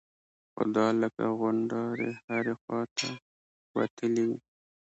خو دا لکه غونډارې هرې خوا ته وتلي وي.